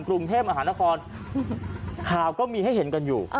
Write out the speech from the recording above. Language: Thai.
กรุงเทพมหานครข่าวก็มีให้เห็นกันอยู่